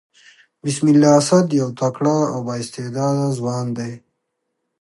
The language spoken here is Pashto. بسم الله اسد يو تکړه او با استعداده ځوان دئ.